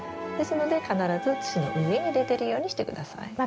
ですので必ず土の上に出てるようにして下さい。